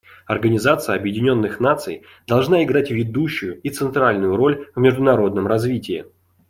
Организация Объединенных Наций должна играть ведущую и центральную роль в международном развитии.